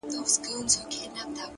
هوډ د شکونو دیوالونه ماتوي!